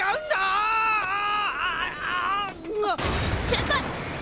先輩！